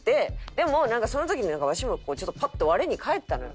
でもなんかその時にわしもちょっとパッと我に返ったのよ。